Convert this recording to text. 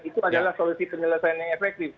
itu adalah solusi penyelesaian yang efektif